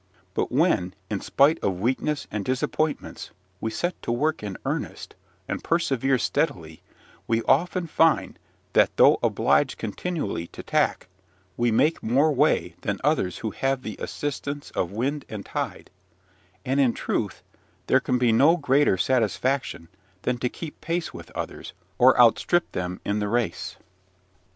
But when, in spite of weakness and disappointments, we set to work in earnest, and persevere steadily, we often find, that, though obliged continually to tack, we make more way than others who have the assistance of wind and tide; and, in truth, there can be no greater satisfaction than to keep pace with others or outstrip them in the race.